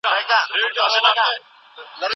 په راتلونکي کي به خلګ په هوساینې کي ژوند کوي.